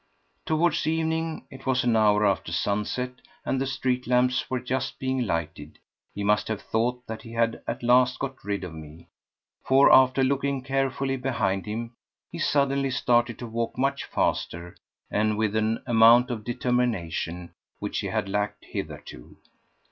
Towards evening—it was an hour after sunset and the street lamps were just being lighted—he must have thought that he had at last got rid of me; for, after looking carefully behind him, he suddenly started to walk much faster and with an amount of determination which he had lacked hitherto.